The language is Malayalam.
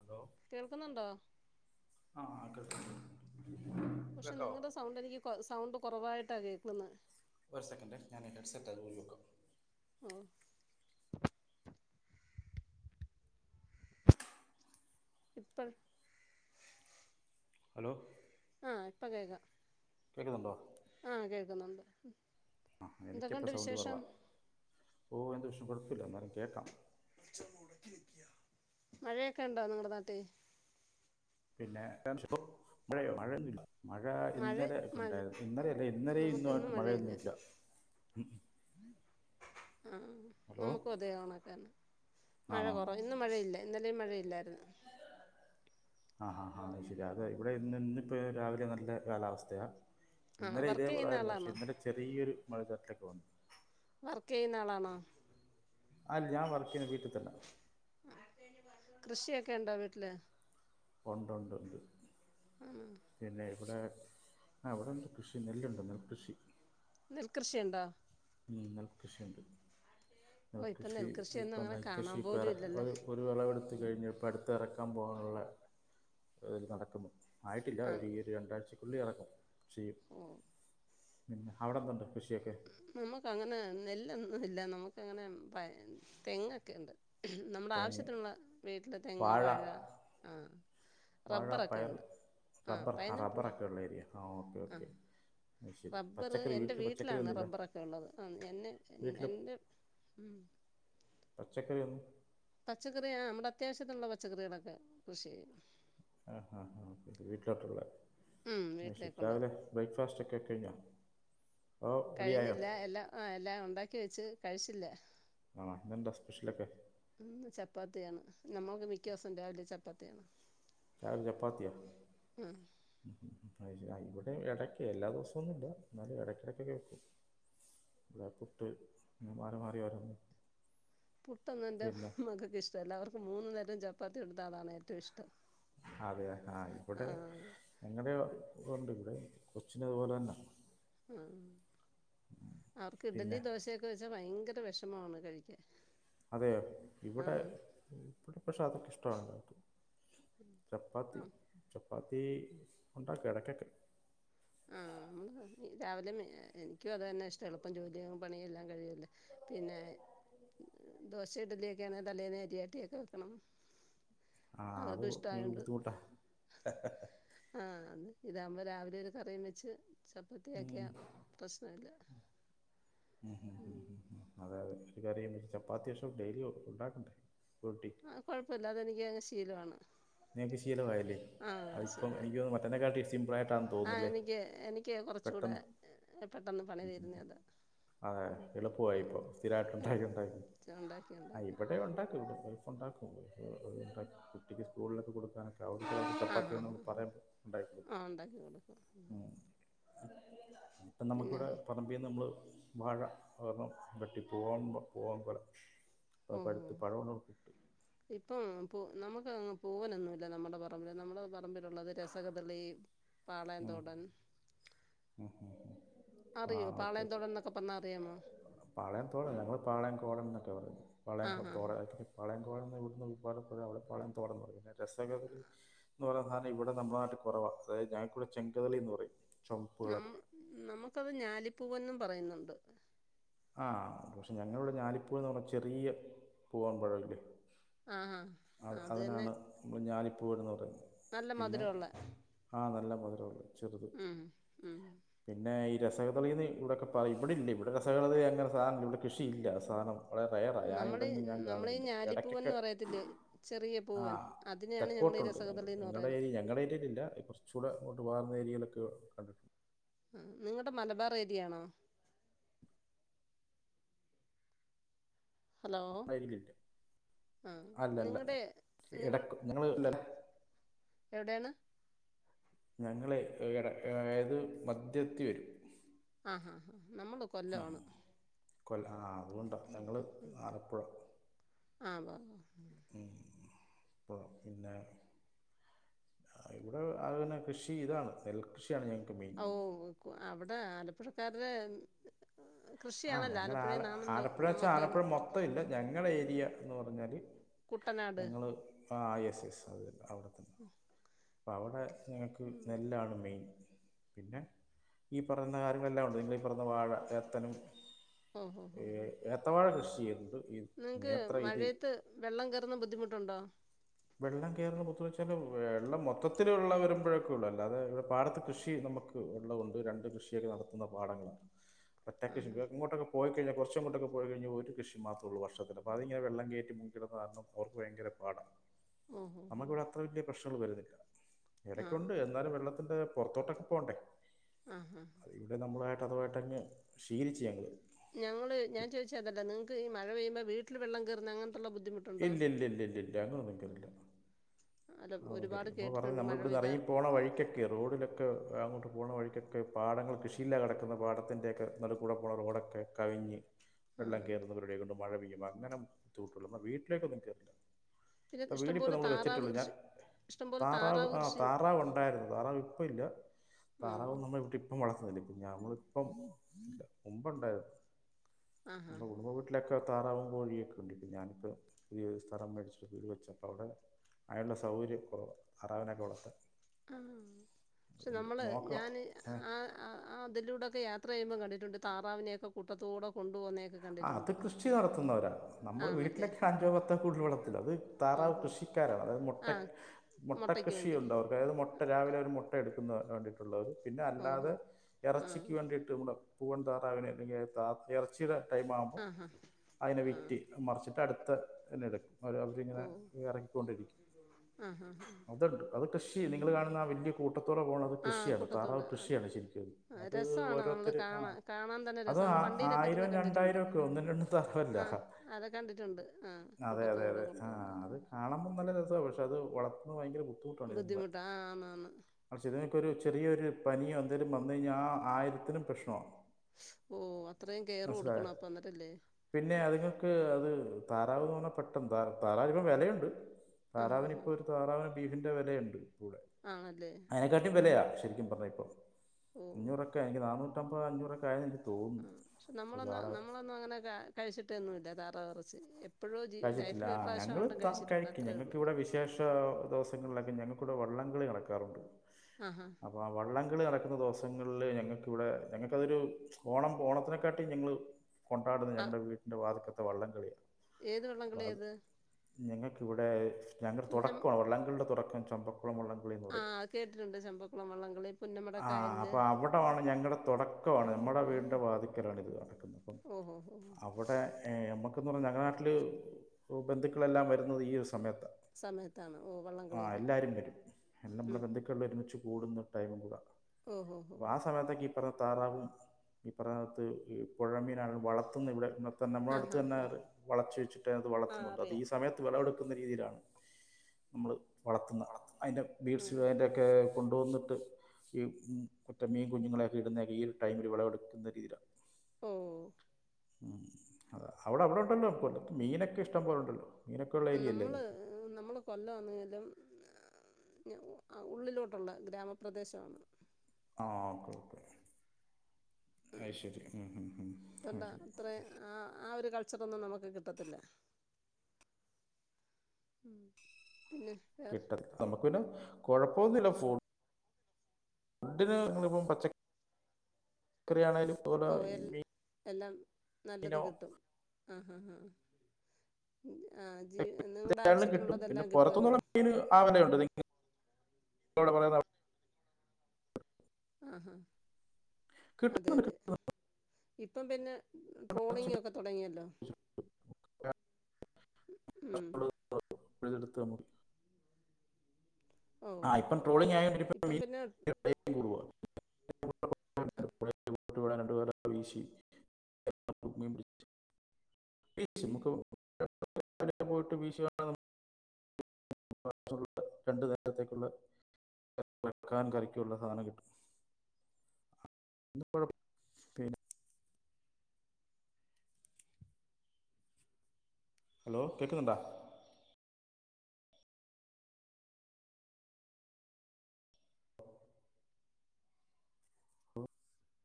ഹലോ കേൾക്കുന്നുണ്ടോ? ആ കേൾക്കാം കേൾക്കാം പക്ഷേ കേക്കാവോ നിങ്ങളുടെ സൗണ്ട് എനിക്ക് സൗണ്ട് കുറവായിട്ടാ കേ നിന്ന് ഒരു സെക്കന്റേ ഞൻ എന്റെ ഹെഡ്സെറ്റ് ആത് ഊരി വെക്കാ ഉം ഇപ്പൾ ഹലോ ആ ഇപ്പൊ കേക്കാ കേക്കുന്നുണ്ടോ? ആ കേക്കുന്നുണ്ട് ഉം ആ എനിക്കപ്പോൾ എന്തൊക്കെണ്ട് സൗണ്ട് വിശേഷം കുറവാണ് ഓ എന്ത് വിശം കുഴപ്പ ഇല്ല എന്നാലും കേക്കാം കുറച്ചങ് ഓടക്കി നിക്യാ മഴയൊക്കെ ഉണ്ടോ നിങ്ങടെ നാട്ടി പിന്നെ [unintelligible] ഇവിടെ മഴയൊന്നുല്ല മഴ മഴ ഇന്നലെ ഒക്കെ മഴ ഉണ്ടായിരുന്നു ഇന്നലെ അല്ല ഇന്നലെയും നമുക്കിന്ന് ഇന്നുമായിട്ട് മഴയില്ല മഴയൊന്നുല്ല മു ആ നമുക്കും അതേ ഓണാക്കന്നെ മഴ ആണോ കുറവ ഇന്ന് മഴയില്ല ഇന്നലെം മഴയില്ലായിരുന്നു ആ ഹ ഹ പിന്നാതെ ഇവിടെ ഇന്ന്ന്ന് ഇപ്പോ ഇത് രാവിലെ നല്ല കാലാവസ്ഥയാ ആണോ ഇന്നലെ വർക്ക് ചെയ്യുന്ന ഇതേപോലായിരുന്നു പക്ഷെ ആളാണോ ഇന്നലെ ചെറിയൊരു മഴ ചാറ്റലൊക്ക വന്ന് വർക്ക് ചെയ്യുന്ന ആളാണോ? അര് ഞാൻ വർക്ക് ചെയ്യണ വീട്ടിൽ തന്നാ കൃഷിയൊക്കെ ഉണ്ടോ വീട്ടില് ഒണ്ട്ണ്ട് ഒണ്ട് ആണോ പിന്നെ ഇവിടെ ആ ഇവിടെണ്ട് കൃഷി നെല്ലുണ്ട് നെൽകൃഷി നെൽകൃഷിണ്ടാ ഉം നെൽകൃഷിണ്ട് ഓ ഇപ്പം നെൽകൃഷി നെൽകൃഷിയൊന്നും ഇപ്പൊ അങ്ങനെ നെൽക്കൃഷി കാണാൻ പോലും ഇപ്പേറെ ഇല്ലല്ലേ ഒരു ഒരുവിളവ് എടു അതു കഴിഞ്ഞ് ഇപ്പ അടുത്തെ എറക്കാൻ പോവാനുള്ള ഇത് നടക്കുന്നു ആയിട്ടില്ല ഒരു ആണോ ഈ ഒരു രണ്ടാഴ്ച. ഉള്ളി അടക്കം ചെയ്യും ഓ പിന്നെ അവിടെന്തുണ്ട് കൃഷിയൊക്കെ നമുക്കങ്ങനെ നെല്ലൊന്നും ഇല്ല നമുക്കങ്ങനെ പൈ തെങ്ങൊക്കെണ്ട് നമ്മുടെ തെങ്ങ് ആവശ്യത്തിനുള്ള വീട്ടില് തെങ്ങ് വാഴ ആ വാഴ റബ്ബറൊക്കെ പയർ ഉണ്ട് ആ റബ്ബർ പൈനാപ്പിൾ റബ്ബറൊക്കെ ഉള്ള ഏരിയ ആ ഓക്കെ ആ ഓക്കെ അത് ശരി റബ്ബർ പച്ചക്കറി എൻ്റെ വീട്ടിൽ പച്ചക്കറി വീട്ടിലാണ് ഒന്നുമില്ല റബ്ബറൊക്കെ ഉള്ളത് ആ എന്നെ വീട്ടിൽ എൻ്റെ ഉം പച്ചക്കറി ഒന്ന് പച്ചക്കറിയാ നമ്മുടെ അത്യാവശ്യത്തിനുള്ള പച്ചക്കറികളൊക്കെ കൃഷി ചെയ്യും ആ ആ വീട്ടിലോട്ടുള്ള ഉം, ആ ശരി വീട്ടിലേക്കുള്ള രാവിലെ ബ്രേക്ക്ഫാസ്റ്റ് ഒക്കെ കഴിഞ്ഞോ ഓ റെഡിയായോ കഴിഞ്ഞില്ല എല്ലാം ആ എല്ലാം ഉണ്ടാക്കി വെച്ച് കഴിച്ചില്ല ആ ഇന്നെന്താ സ്പെഷ്യലൊക്കെ ഇന്ന് ചപ്പാത്തിയാണ് നമ്മുക്ക് മിക്ക ദിവസവും രാവിലെ ചപ്പാത്തിയാണ് രാവിലെ ചപ്പാത്തിയോ ഉം. അയ് ശരി [unintelligible] അയും ഇടയ്ക്ക് എല്ലാ ദിവസമ ഒന്നുമ ഇില്ല എന്നാലും ഇടയ്ക്കിടയ്ക്കൊക്കെ വയ്ക്കും ഇവിടെ പുട്ട് ഇങ്ങനെ മാറി മാറി വരും പുട്ടൊന്നും എൻറെ മകൾക്ക് ഇഷ്ടമല്ല അവർക്ക മൂന്ന നേരം ചപ്പാത്തി എടുത്താതാണ് ഏറ്റവും ഇഷ്ടം അതെ ആ ഇവിടെ ആഹ് എങ്ങടെണ്ട് ഇവിടെ കൊച്ചിനതുപോലെ തന്നെ ആ അവർക്ക് ഇഡലി പിന്നെ ദോശൊക്കെ വെച്ചാ ഭയര ഭയങ്കര വിഷമാണ് കഴിക്കാൻ അതെ ഇവിടെ ആഹ് ഇവിടെ പ്രക്ഷ അതൊക്കെ ഇഷ്ടോറണ്ട ചപ്പാത്തി ആഹ് പ്പത്തി ഉണ്ടാക്കും ഇടയ്ക്കൊക്ക ആ രാവിലെ എനിക്കും അത് തന്നെ ഇഷ്ടള്ള ഇപ്പം ജോലിയും പണിയ എല്ലാം കഴൂല്ല പിന്നെ ദോശയിഡലിയൊക്കെയ ആണെങ്ക തലനേ അരി ആട്ടിയൊക്കെ വെക്കണം ആ അത് അവർക്കും ഇഷ്ടമായോണ്ട് ബുദ്ധിമുട്ടാ ഇതാകുമ്പോ രാവില ഒരു കറിയും വെച്ച് ഉ ചപ്പാത്തിയാക്കിയാൽ പ്രശ്നമില്ല ഉ ഉ ഉം അതെ അതെ ഇ കറിയ ചപ്പാത്തി ഒ ദിവസം ഡെയിലി ഫുണ്ടാക്കണ്ട ആ കൊഴപ്പമില്ല അത് എനിക്ക് ശീലമാണ് നീപ്പ ശീലമായി ആഹ് അപ്പ ശീലമാണ് എനിക്ക് മറ്റെക്കാളട്ട സിംപിൾ ആയിട്ടാെന്ന് ആ തോന്നുന്നില്ലേ എനിക്ക് എനിക്ക് കുറച്ചുകൂടെ പെട്ടെന്ന് പെട്ടെന്ന് പണി തീരുന്നതാ അതെ ഉം എളുപ്പ ഉം ഇപ്പ സ്ഥിരമായിട്ട്ണ്ടാക്കി ഉണ്ടാക്കി എളുപ്പം ഉണ്ടാക്കി ആ ഉണ്ടാക്കി ഇവിടെേ ഉണ്ടാക്കൂഫണ്ടും [unintelligible] കുട്ടി ഇസ് സ്കളിലൊകെ കൊടുക്കാൻ [unintelligible] ആ ഹാ ചപ്പാത്തിന്നു ഹാ ഹാ പറയാൻ ആ ഉണ്ടാക്കി കൊടുക്കും [unintelligible] മ് ഇപ്പം പിന്നെ നമുക്കിവിടെ പറമ്പിന്ന് നമ്മള് വാഴ ഒരണം വെട്ടി പൂവാൻ പൂവാൻ പയം ഓഹോ ഇപ്പ നമുക്ക് അങ് പൂവാനൊന്നുമല്ല നമ്മുടെ പറമ്പിൽ നമ്മുടെ പറമ്പിലുള്ളത് രസകതളി ഉം പാളയന്തോടൻ ഉം ഉം ആ അറിയോ ഓക്കെ ഓക്കെ പാളയംന്തോടന്നൊക്കെ പറഞ്ഞാ അറിയാമോ പളം കോടം എന്നൊക്കെ പറ പളയം ആ [unintelligible] ഹാ ഹാ പ ഇവിടുന്ന്ല അവിടെ പായൻ തുടന്ന്യും പിന്നെ രസകലി എന്ന് പറയ നമ്മുടെ നാട്ടിൽ കുറവാ ഞങ്ങൾക്കിവിടെ ചെങ്കദളി എന്ന് പറയും ചുമപ്പ് കളർ നമ് നമുക്കത് ഞാലി പൂവൻ പറയുന്നുണ്ട് ആ പക്ഷേ ഞങ്ങളിവിടെ ഞാലിപ്പൂ എന്ന് പറഞ്ഞാൽ ചെറിയ പൂവൻ പഴമില്ലേ ആ ഹാ അ അത് തന്നെ അതിനാണ് ഞാ പൂവൻ എന്ന് പറയും നല്ല മധുരംള്ള നല്ല മധുരമുള്ള ചെറുത് പിന്നെ ഇ രസംഗളന്ന് ഇവിടെ. ക്കെ പറയ ഇടില്ല ഇവിടെ [unintelligible] അങ്ങനെ സാനം ഇവിടെ കൃഷിയില്ല സാനം വളരെ റയറാ ഞാൻ നമ്മള് ഇവിടെങ്കിലും ഞാൻ നമ്മളീ കാണുന്നില്ല ഇടയ്ക്കൊക്കെ ഞാലിപ്പൂവൻന്ന് പറയത്തില്ലേ ചെറിയ ആ പൂവൻ അതിനെയാണ് ഞങ്ങളീ തെക്കോട്ടുണ്ട് ഞങ്ങ രസകദളിന്ന് ഞങ്ങളുടെ പറയണെ ഏ ഞങ്ങളുടെ ഏരിയൽ ഇല്ല കുറച്ച കൂടെ വാർ നേരിയയിലൊക്കെ ക നിങ്ങളടെ മലബാർ ഏരിയയാണോ ഹലോ ഞങ്ങളുടെ ഏരിയയിലില്ല ആ അല്ല അല്ല നിങ്ങളുടെ നിങ്ങൾ ഇടക്ക് ആ ഞങ്ങൾ എവിടെയാണ് ഞങ്ങള് [unintelligible] മദ്യത്തി വരും ആഹ ഉ കൊല്ല ആ അതുകൊണ്ടാ ഞങ്ങള് ഉം. ആലപ്പുഴ ആ ഉവ്വ് ഉവ്വ് ഉ പിന്നെ ഇവിടെ അന്നെ കൃഷി ഇതാണ് നെൽകൃഷി യാണ് ഞങ്ങൾക്ക് മെയിൻ ഓ കു- അവിടെ ആലപ്പുഴക്കാരുടെ ആഹ കൃഷിയാണല്ലോ ഞങ്ങള ആ ആലപ്പുഴേന്നാണല്ലോ ആലപ്പുഴ വച്ചാ നമുക്ക് ആലപ്പുഴ മൊത്തം ഇല്ല ഞങ്ങളുടെ ഏരിയ എന്ന് പറഞ്ഞാല് കുട്ടനാട് ഞങ്ങള് അ വിസ് ഉം ഹ് പ്പ അവടെ ഞങ്ങൾക്ക് നെല്ലാണ് മെയിൻ പിന്നെ ഈ പറയുന്ന കാര്യങ്ങളെല്ലാം ഉണ്ട് നിങ്ങളീ ഈ പറഞ്ഞ വാഴ ഏത്തനും ഓ ഹോ ഏ ഹോ ഹോ ഏത്തവാഴ കൃഷി ചെയ്യുന്നു. നിങ്ങക്ക് മഴയത്ത് വെള്ളം കയറുന്ന ബുദ്ധിമുട്ടുണ്ടോ? വെള്ളം കയറുന്നത്തന്ന് വെച്ചാല് വെള്ളം മൊത്തത്തി ഉള്ള വരുമ്പോഴൊക്കെ ഉള്ളു അല്ലാതെ ഇവിടെ പാടത്ത് കൃഷി നമുക്ക് ഉള്ളത് കൊണ്ട് രണ്ട് കൃഷിയൊക്കെ നടത്തുന്ന പാടങ്ങളാണ് ഒറ്റ ആ കൃഷി ഹാ ഇങ്ങോട്ടൊക്കെ പോയിക്കഴിഞ്ഞാ കുറച്ച ങ്ങോട്ടൊക്ക പോയി കഴിഞ്ഞാൽ കൃഷി മാത്രേ ഉള്ളൂ വർഷത്തി അതിങ്ങനെ വെള്ളം കറ്റി മുക്കടുന്ന കാരണം അവർക്ക് ഭയങ്കരപാടാണ് ഓ ഹോ ഹോ നമുക്കിവിടെ അത്ര വലിയ പ്രശ്നങ്ങൾ വരുന്ന ആ ഇടക്കുണ്ട് എന്നാലും വെള്ളത്തിന്റെ പുറത്തോട്ടൊക്കെ പോകണ്ടേ ആഹ ഹഹ അതുമായിട്ടങ്ങ് ശീലിച്ച് ഞങ്ങൾ ഞങ്ങള് ഞാൻ ചോദിച്ച അതല്ല നിങ്ങക്ക് മഴ പെയ്യ്മ്പ വീട്ടിൽ വെള്ളം കയറ്ന്ന അങ്ങെ ഇല്ലില്ലില്ലില്ല അങ്ങനൊന്നും കേൾക്കില്ല അല്ല ഒരുപാട് അതൊക്കെല്ല നമ്മ പറഞ്ഞത് കേട്ടിട്ടുണ്ട് മഴ നമ്മളിവിടുന്ന് പെയ്ത ഇറങ്ങി പോണ വഴിക്കൊക്കെ റോഡിലൊക്കെ അങ്ങോട്ട് പോണ വഴിക്കൊക് ഒക്കെ പാടങ്ങൾ കൃഷിയില്ലാതെ കിടക്കുന്ന പാഠത്തിൻ്റെയൊക്കെ നടുക്കൂടെ പോണ റോഡ് ഒക്കെ കവിഞ്ഞ് ആ വെള്ളം കയറുന്നവരുടെ കൊണ്ട് മഴ പെയ്യുമാ അങ്ങനെ ചൂട്ടുള്ളപ്പ വീട്ടിലേക്കൊന്നും കേറില്ല പിന്നെ ഇഷ്ടംപോലെ താറാവ് കൃഷി ഇഷ്ടംപോലെ താറാവ് ആഹ് കൃഷി താറാവ് ഒണ്ടായിരുന്നു താറാവ് ഇപ്പ ഇല്ല ഉം താറാവ് നമ്മള വീട്ടി ഇപ്പം വളർത്തുന്നില്ല ഞമ്മളിപ്പം മുമ്പ് ണ്ടാര്ന്ന് ആഹാ നമ്മുടെ കുടുംബ വീട്ടിലൊക്കെ താറാവും കോഴിയൊക്കെ ഉണ്ടിപ ഞാനിപ്പ പുതിയ സ്ഥലം മേടിച്ച് വീട് വെച്ചപ്പ അവിടെ അയലൊള്ള സൗകര്യം കുറവ് താറാവിന വളത്താൻ ആ പക്ഷെ നമ്മള് നോക്കണം ഞാന് ഏ. ആ അതിലൂടൊക്കെ യാത്ര അത്രയും കണ്ടിട്ടുണ്ട് താറാവിനെയോക്കെ കുട്ടത്തോടെ കൊണ്ടു പോകുന്നേ അത് ക്രിസ്റ്റി നടത്തുന്നവരാ നമ്മള് വീട്ടിലെ ആണല്ലേ കാര്യം മൊത്തം കുടിവെള്ളത്തിലാവും അത് താറാവ് ഓഹോ കൃഷിക്കാരാണ് അത് ആ മോട്ട് മോട്ട മുട്ടയ്ക്ക് വേണ്ടി കൃഷിയുണ്ടോ അതായത് മോട്ട രാവിലെ ഒരു മുട്ട എടുക്കുന്ന വേണ്ടിയിട്ടുള്ളത് പിന്നെ അല്ലാതെ ഓഹോ ആ ഇറച്ചിക്ക് വേണ്ടിയിട്ട് നമ്മള് പൂവൺ താറാവിനെ അല്ലെങ്കിൽ ഇറച്ചിലുടെ ടൈ ആകുമ്പോ ആഹാ അതിനെ ആ വിറ്റി മറിച്ചിട്ട് അടുത്ത നടക്കും അവ അവരിങ്ങനെ ഓ ഇറക്കിക്കൊണ്ടിരിക്കും ആഹാ അതുണ്ട് അതൊ കഷ നിങ്ങൾ കാണുന്ന വലിയ കൂട്ട കൂട്ടത്തോടെ പോകണത് ആഹ് കൃഷിയാണ് കൂട്ടത്തോട് താറാവ് ആണ് കൃഷിയാണ് ശരിക്കത് ആഹ് അത് രസമാണ് നമ്മള് ഓരോരുത്തർ ആ കാണാൻ കാണാൻ തന്നെ അത് രസം നമ്മൾ വണ്ടിയിലൊക്കെ ഇരുന്ന് ആയിരം രണ്ട് കണ്ടിട്ടുണ്ട് ണ്ടായിരം ഒക്കെ ഒന്നും രണ്ടും തലല്ല ആഹ് അതെ കണ്ടിട്ടുണ്ട് ആഹ് അതെ അതെ കൂട്ടത്തോടെ അതെ ആ കൊണ്ടുപോകുന്നെ അത് കാണുമ്പോ നല്ല രസ പക്ഷ അത് വളർത്തുന്ന ഭയങ്കര ബുദ്ധിമുട്ടാ ബുദ്ധിമുട്ടാ ആഹ് ആന്ന് ആന്ന് ബുദ്ധിമുട്ട് ചെറിയൊരു പനിയോ എന്തേങ്കിലും വന്നു കഴിഞ്ഞാൽ ആ ആയിരത്തിനും പ്രശ്‌നമാ ഓ അത്രയും കെയർ കൊടുക്ക പിന്നെ അതുങ്ങൾക്ക് അത് താറാവുന്ന് പറഞ്ഞ പെട്ടെന്ന് താ താറാവ് ഇപ്പം വിലയുണ്ട് ആഹ് താറാവിന് ഇപ്പൊ ആഹ് ഒരു താറാവിന് ബീഫിന്റെ വിലയുണ്ട് കൂടെ ആണല്ലേ അതിനെക്കാട്ടും ആഹ് വിലയാണ് ശരിക്കും പറഞ്ഞാൽ ഇപ്പോൾ ഓഹ് അഞ്ഞൂറൊക്കെ എനിക്ക് നാന്നൂ പത്തമ്പത് അഞ്ഞൂറെക്കായ ഉം ക്ഷേ നമ്മളൊന്നും നമ്മളൊന്നും അങ്ങനെ കഴിച്ചിട്ടൊന്നും ഇല്ല താറാവിറച്ചി ശെ കഴിച്ചിട്ടില്ല ആ ഞങ്ങൾ ത കഴിക്കും അത്രേ ഉള്ളൂ ഞങ്ങൾക്കിവിടെ വിശേഷ ദിവസങ്ങളിലൊക്കെ ഞങ്ങൾക്ക് കൂടെ വളളം കളി നടക്കാറുണ്ട് ആഹാ അപ്പ വള്ളങ്ങളി നടക്ക പുന്ന ദിവസങ്ങളില് ഞങ്ങക്കിവിടെ ഞങ്ങക്കതൊരു ഓണം ഓണത്തിനെക്കാട്ടി ഞങ്ങള് കൊണ്ടാടുന്ന ആഹ് ഞങ്ങളുടെ വീട്ടിന്റെ വാതക്ക വള്ളം കളിയ ഏത് വള്ളം കളിയാ അത് ഞങ്ങൾക്കിവിടെ ഞങ്ങൾ തുടക്കമാണ് വള്ളങ്ങളുടെ തുടക്കം അക്കൻ ചമ്പക് ആ അത് കേട്ടിട്ട്ണ്ട് ചെമ്പക്കുളം വള്ളംകളി പുന്നമടക്കായലില് തോടക്കവാണ് നമ്മടെ വീടിൻ്റെ വാദ്ക്കലാണിത് ഓഹോ ഹോ അവ്ടെ ഏ [unintelligible] ഞങ്ങള [unintelligible] ബന്ധുക്കളെല്ലാം വരുന്നത് ഈ ഒരു സമ സമയത്താണ് ഓ വള്ളം ആ കളിക്ക് എല്ലാരും വരും നമ്മളെ ഉം ബന്ധുക്കൾ [unintelligible] കൂടുന്ന ടൈമും കൂടെ ഓഹോ അപ്പോൾ ആ സമയത്തൊക്കെ ഈ താറാവും ഈ പറഞ്ഞകത്ത് ഈ പോഴമീനാണ് വളത്തുന്ന ഇവിടെ [unintelligible] നമ്മളെ ആഹ് അടുത്ത് ഹാ തന്നെ ഹാ വളച്ച് വെച്ചിട്ട് അത് ആ വളത്തുന്ന് ഈ അറിയാം സമയത്ത് വെളവെടുക്കുന്ന രീതിയിലാണ് മ്മള് വളത്തുന്ന അയ്ന്റെ ബീഡ്സ് ഉം വെന്റൊക്കെ [unintelligible] ടോന്ന്ട്ട് ഈ കുറ്റ മീൻ കുഞ്ഞുങ്ങളെയൊക്കെ ഇടുന്ന ഈ ഒരു ടൈമില് വെളവെടുക്കുന്ന രീതിയിലാ ഓ ഉം അ അവടെ അവ [unintelligible] മീനൊക്കെ ഇഷ്ടംപോല ണ്ടല്ലോ നമ്മള് നമ്മള് കൊല്ലം ആന്നേലും ഞ അ ഉള്ളിലോട്ടുള്ള ഗ്രാമപ്രദേശാണ് ആ ഓക്കെ ഓക്കെ അഅ് ശെരി ഉം ഉം ഉം അഅ് അതുകൊണ്ട് ശെരി അത്ര ആ ആ ഒരു കൾച്ചറൊന്നും നമക്ക് കിട്ടത്തില്ല പിന്നെ വേറെ കിട്ടത് നമക്ക് പിന്നെ കോഴ പോന്നുല്ല ഫു ഡിന് നിങ്ങള്പ്പം പച്ച ഓ എൽ എല്ലാം നല്ലത് മീനോ കിട്ടും ആ ഹഹ ഹ [unintelligible] കിട്ടും പിന്നെ കിട്ടുമല്ലോ പൊറത്തുന്നുള്ള മീൻ ആവനുണ്ടോ നിങ്ങക്ക് [unintelligible] ആഹ അതെ കിട്ടുന്നുണ്ട് യതെ കിട്ടുന്നുണ്ട് ഇപ്പം പിന്നെ കുറച്ചൊക്കെ ട്രോളിംഗൊക്കെ തൊടങ്ങിയല്ലോ ഉം [unintelligible] പിഴ്തെടുത്താമതി ഓ ആ ഇപ്പം ട്രോളിംഗയൊണ്ട് ഇപ്പം പിന്നെ [unintelligible] കൂടുവാ [unintelligible] ക്ക് [unintelligible] പോയിട്ട് വീശി [unintelligible] രണ്ട നേരത്തേക്കുള്ള വക്കാൻ കറിക്കുള്ള സാനം കിട്ടും [unintelligible] ഹലോ കേക്കുന്നുണ്ടാ